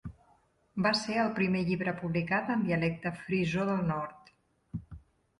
Va ser el primer llibre publicat en dialecte frisó del nord.